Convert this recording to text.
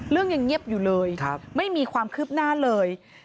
ยังเงียบอยู่เลยไม่มีความคืบหน้าเลย